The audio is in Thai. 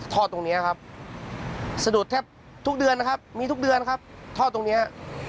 ตรงนี้ครับสะดุดแทบทุกเดือนนะครับมีทุกเดือนครับทอดตรงเนี้ย